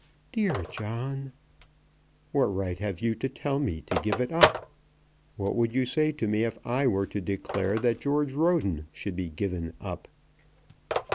"Dear John!" "What right have you to tell me to give it up? What would you say to me if I were to declare that George Roden should be given up?"